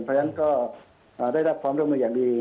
เพราะฉะนั้นก็ได้รับความร่วมมืออย่างดี